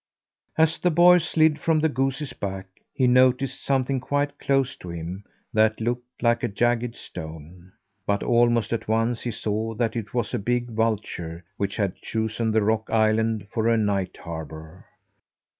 As the boy slid from the goose's back he noticed something quite close to him that looked like a jagged stone. But almost at once he saw that it was a big vulture which had chosen the rock island for a night harbour.